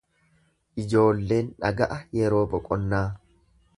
Ijoolleen dhaga'a yeroo boqonnaa.